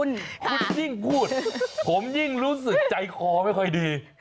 คุณยิ่งพูดผมยิ่งรู้สึกใจคอไม่ค่อยดี